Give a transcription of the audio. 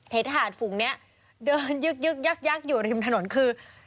เทศหาดฝุ่งเนี่ยเดินยึกยึกยักยักอยู่ริมถนนคือ